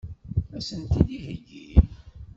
Ad sent-t-id-iheggi?